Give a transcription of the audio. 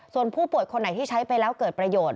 ส่วนผู้ป่วยคนไหนที่ใช้ไปแล้วเกิดประโยชน์